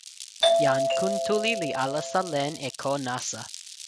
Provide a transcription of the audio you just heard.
jan Kuntuli li alasa len e ko nasa.